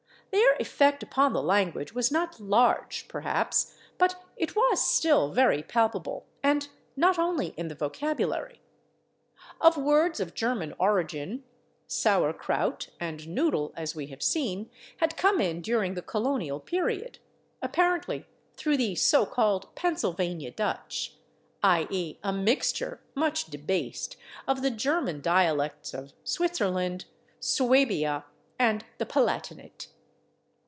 Their effect upon the language was not large, [Pg088] perhaps, but it was still very palpable, and not only in the vocabulary. Of words of German origin, /saurkraut/ and /noodle/, as we have seen, had come in during the colonial period, apparently through the so called Pennsylvania Dutch, /i. e./, a mixture, much debased, of the German dialects of Switzerland, Suabia and the Palatinate.